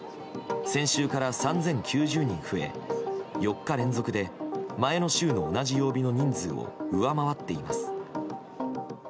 先週から３０９０人増え４日連続で前の週の同じ曜日の人数を上回っています。